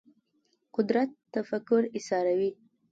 قدرت تفکر ایساروي